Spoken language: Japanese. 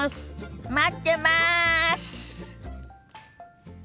待ってます！